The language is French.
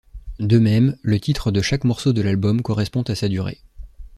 De même, le titre de chaque morceau de l'album correspond à sa durée.